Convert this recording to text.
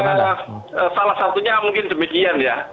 ya salah satunya mungkin demikian ya